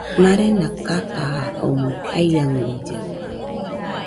Marena kakaja omoɨ aiaɨrilla.